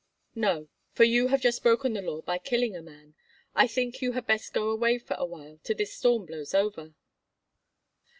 "No; for you have just broken the law by killing a man. I think you had best go away for a while till this storm blows over."